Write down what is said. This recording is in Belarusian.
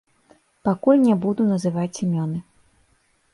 Пакуль не буду называць імёны.